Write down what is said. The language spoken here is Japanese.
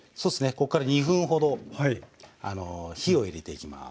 こっから２分ほど火を入れていきます。